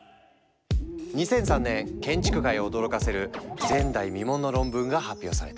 ２００３年建築界を驚かせる前代未聞の論文が発表された。